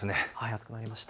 暑くなりました。